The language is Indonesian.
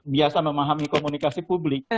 biasa memahami komunikasi publik